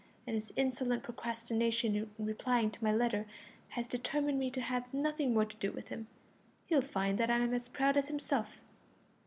And his insolent procrastination in replying to my letter has determined me to have nothing more to do with him. He'll find that I'm as proud as himself."